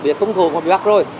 bị khủng thuộc mà bị bắt rồi